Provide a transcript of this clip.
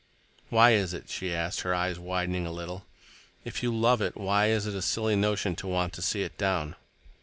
"Why is it?" she asked, her eyes widening a little. "If you love it, why is it a silly notion to want to see it down?"